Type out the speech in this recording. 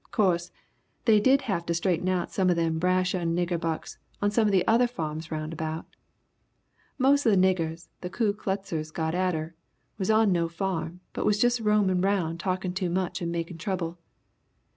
'Course, they did have to straighten out some of them brash young nigger bucks on some of the other farms round about. Mos' of the niggers the Ku Kluxers got atter was'n on no farm, but was jus' roamin' 'round talkin' too much and makin' trouble.